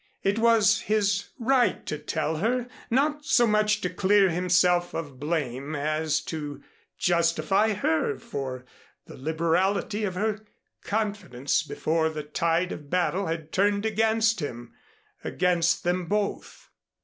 It was his right to tell her, not so much to clear himself of blame, as to justify her for the liberality of her confidence before the tide of battle had turned against him against them both.